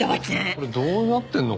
これどうなってんの？